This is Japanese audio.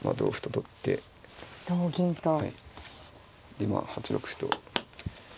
でまあ８六歩と。